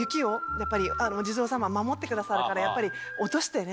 お地蔵さまは守ってくださるからやっぱり落としてね。